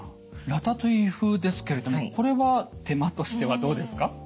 ラタトゥイユ風ですけれどもこれは手間としてはどうですか？